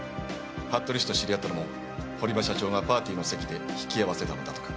服部氏と知り合ったのも堀場社長がパーティーの席で引き合わせたのだとか。